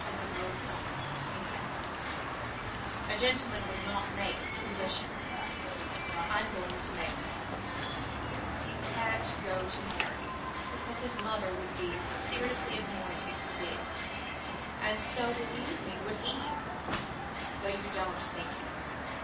"I suppose not," he said; "a gentleman would not make conditions. I'm going to make one. You can't go to Harry, because his Mother would be seriously annoyed if you did; and so, believe me, would he though you don't think it.